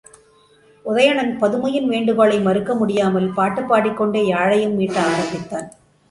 உதயணன் பதுமையின் வேண்டுகோளை மறுக்க முடியாமல் பாட்டுப் பாடிக்கொண்டே யாழையும் மீட்ட ஆரம்பித்தான்.